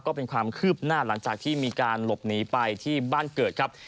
ก็เป็นความคืบหน้าหลังจากที่มีการหลบหนีไปที่บ้านเกิดครับ